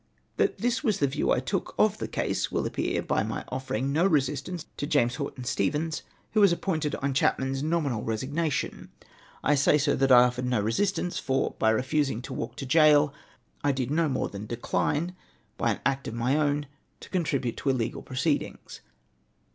" That this was the view which I took of the case, will appear by my ofTering no resistance to James Houghton Stevens, who was appointed on Chapman's nominal resigna tion ; I say, Sir, that I offered no resistance, for, by refusing to walk to gaol, I did no more than decline, by an act of my own, to contribute to illegal proceedings.